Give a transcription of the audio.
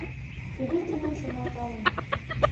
Кугу тумым шоналталын